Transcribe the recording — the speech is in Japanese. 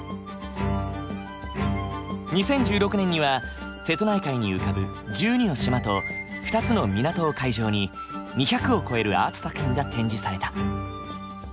２０１６年には瀬戸内海に浮かぶ１２の島と２つの港を会場に２００を超えるアート作品が展示された。